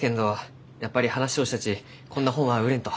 やっぱり話をしたちこんな本は売れんと。